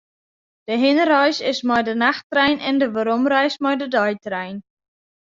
De hinnereis is mei de nachttrein en de weromreis mei de deitrein.